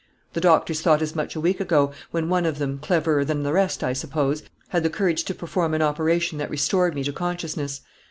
The doctors thought as much a week ago, when one of them, cleverer than the rest I suppose, had the courage to perform an operation that restored me to consciousness.